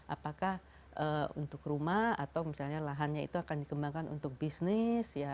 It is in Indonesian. apakah untuk rumah atau misalnya lahannya itu akan dikembangkan untuk bisnis